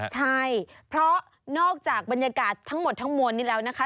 ใช่เพราะนอกจากบรรยากาศทั้งหมดทั้งมวลนี้แล้วนะคะ